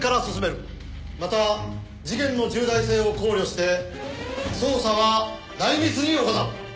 また事件の重大性を考慮して捜査は内密に行う。